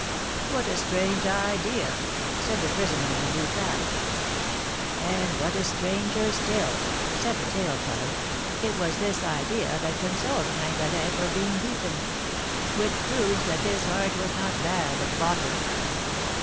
"What a strange idea!" said the prisoner in the blue cap. "And, what is stranger still," said the tale teller, "it was this idea that consoled Gringalet for being beaten; which proves that his heart was not bad at bottom."